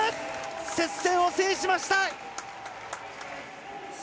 接戦を制しました！